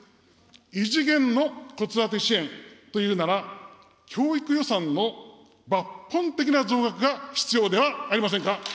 異次元の子育て支援というなら、教育予算の抜本的な増額が必要ではありませんか。